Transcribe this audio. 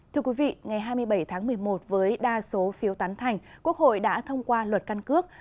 thưa quý vị ngày hai mươi bảy tháng một mươi một với đa số phiếu tán thành quốc hội đã thông qua luật căn cước